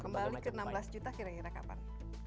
kembali ke enam belas juta kira kira kapan